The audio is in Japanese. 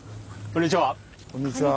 こんにちは。